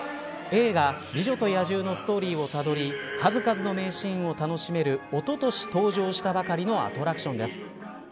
映画、美女と野獣のストーリーをたどり数々の名シーンを楽しめるおととし登場したばかりのアトラクションです。